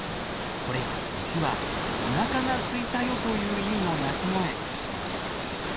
これ実は「おなかがすいたよ」という意味の鳴き声。